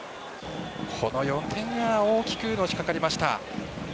この４点目は大きくのしかかりました。